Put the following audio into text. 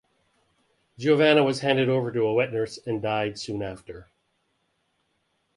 Giovanna was handed over to a wet-nurse and died soon after.